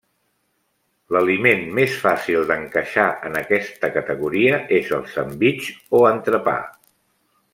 L'aliment més fàcil d'encaixar en aquesta categoria és el sandvitx o entrepà.